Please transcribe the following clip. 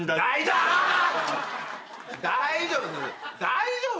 大丈夫。